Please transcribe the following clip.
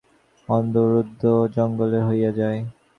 গাছের ছায়ার মধ্যে দৃষ্টি আর চলে না, জঙ্গলের মধ্যে পথ অবরুদ্ধ হইয়া যায়।